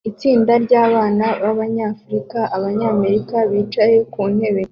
Itsinda ryabana banyafrika-Abanyamerika bicaye ku ntebe